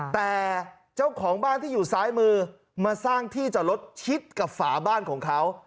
แต่เจ้าของบ้านที่อยู่ซ้ายมือมาสร้างที่จอดรถชิดกับฝาบ้านของเขา